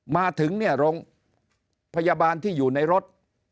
มาถึงเนี่ยโรงพยาบาลที่อยู่ในรถ